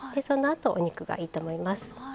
そのあとお肉がいいと思います。